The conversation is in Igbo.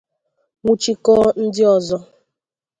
nwụchikọọ ndị ọzọ